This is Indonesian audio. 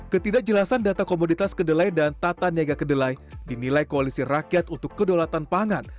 ketidakjelasan data komoditas kedelai dan tata niaga kedelai dinilai koalisi rakyat untuk kedaulatan pangan